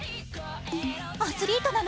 アスリートなの？